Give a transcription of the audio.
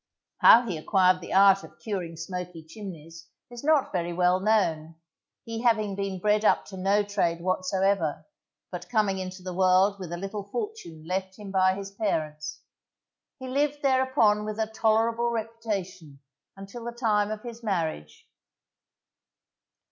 How he acquired the art of curing smoky chimneys is not very well known, he having been bred up to no trade whatsoever, but coming into the world with a little fortune left him by his parents, he lived thereupon with a tolerable reputation, until the time of his marriage.